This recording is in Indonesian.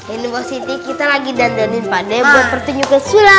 ini mo siti kita lagi dandanin pada buat pertunjukin sulaw